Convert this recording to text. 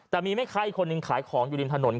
แต่มีแม่ค้าอีกคนนึงขายของอยู่ริมถนน